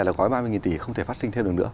là gói ba mươi tỷ không thể phát sinh thêm được nữa